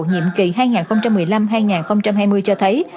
nhiệm kỳ hai nghìn một mươi năm hai nghìn hai mươi cho thấy